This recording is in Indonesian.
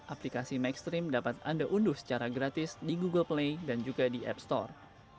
aplikasi maxstream dapat anda unduh secara gratis di google play dan juga di app store